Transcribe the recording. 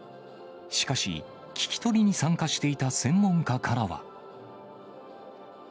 しかし、聞き取りに参加していた専門家からは。